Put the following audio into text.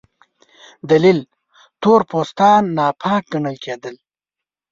دلیل: تور پوستان ناپاک ګڼل کېدل.